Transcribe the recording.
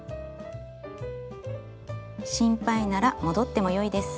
心配なら戻ってもよいです。